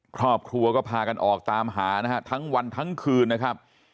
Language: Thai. ครอบครัวก็พากันออกตามหานะฮะทั้งวันทั้งคืนนะครับ